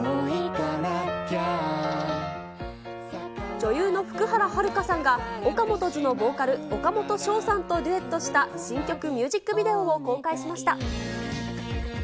女優の福原遥さんが、オカモトズのボーカル、オカモトショウさんとデュエットした、新曲ミュージックビデオを公開しました。